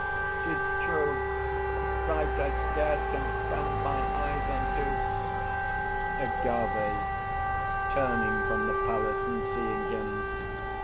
'Tis true; A sight I scarce can bend mine eyes unto. AGAVE (turning from the Palace and seeing him).